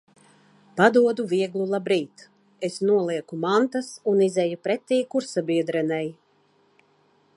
Padodu vieglu labrīt. Es nolieku mantas un izeju pretī kursabiedrenei.